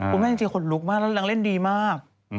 คุณแม่จริงคนลุกมากนางเล่นดีมาก